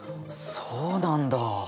そうなんだ。